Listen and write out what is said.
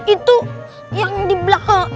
itu yang di belakang